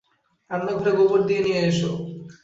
রান্নাঘরে গোবর দিয়ে নেয়ে এসো।